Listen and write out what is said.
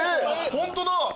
ホントだ！